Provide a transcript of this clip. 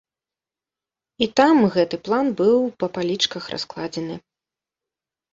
І там гэты план быў па палічках раскладзены.